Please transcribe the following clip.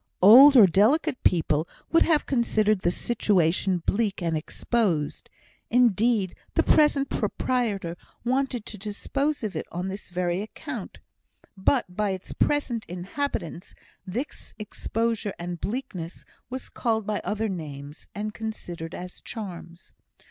Old or delicate people would have considered the situation bleak and exposed; indeed, the present proprietor wanted to dispose of it on this very account; but by its present inhabitants, this exposure and bleakness were called by other names, and considered as charms.